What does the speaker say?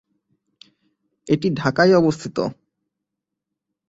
এটি ঢাকায় অবস্থিত।